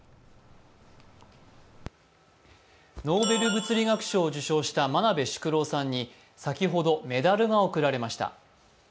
ノーベル物理学賞を受賞した眞鍋淑郎さんに先ほどメダルが贈られました。